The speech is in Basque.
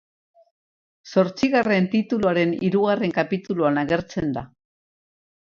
Zortzigarren tituluaren hirugarren kapituluan agertzen da.